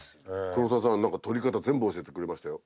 黒澤さん何か撮り方全部教えてくれましたよ。